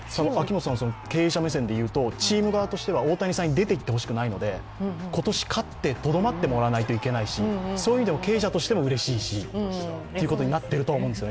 経営者目線でいうとチーム側としては大谷さんに出ていってほしくないので今年勝って、とどまってもらわないといけないし、そういう意味でも経営者としてもうれしいしってなってると思うし。